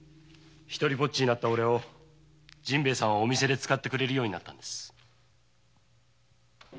独りぼっちになったおれを陣兵衛さんはお店で使ってくれるようになったんです。